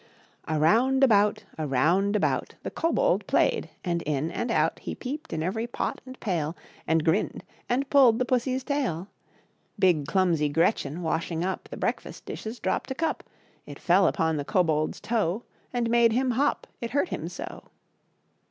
Around about , Around about. The Kobold played and in and out * He peeped in every Pot and Pall ,^ And grinned, and pulled th&Pusiy\ tail. Clear, pleasant. "^Big clumsyGretchen^w^shing up The Breakfast dishes, dropped a Cup ; It fell upon the Kobold*s Toe, And made him hop it hurt him so.